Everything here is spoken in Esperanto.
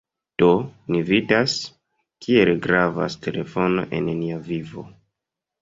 Do, ni vidas, kiel gravas telefono en nia vivo!